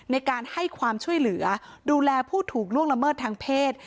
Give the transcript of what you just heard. ในการให้ความช่วยเหลือดูแลผู้ถูกล่วงละเมิดทางเพศ